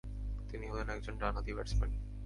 তিনি হলেন একজন ডানহাতি ব্যাটসম্যান।